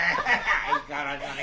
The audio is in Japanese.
相変わらずだね。